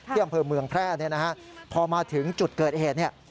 ที่อำเภอเมืองแพร่เนี่ยนะฮะพอมาถึงจุดเกิดเหตุเนี่ย